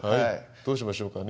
どうしましょうかね。